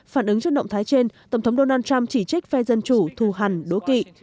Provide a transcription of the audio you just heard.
phản ứng trước động thái trên tổng thống donald trump chỉ trích phe dân chủ thu hành đối kỵ